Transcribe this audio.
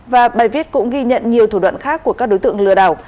và bài viết cũng ghi nhận nhiều thủ đoạn khác của các đối tượng lừa đảo